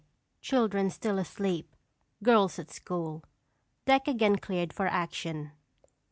Children, still asleep; girls at school; deck again cleared for action.